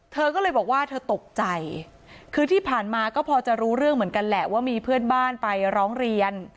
เธอก็เลยบอกว่าเธอตกใจคือที่ผ่านมาก็พอจะรู้เรื่องเหมือนกันแหละว่ามีเพื่อนบ้านไปร้องเรียน